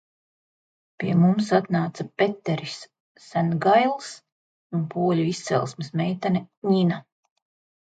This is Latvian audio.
Pie mums atnāca Peteris Sengails un poļu izcelsmes meitene Ņina.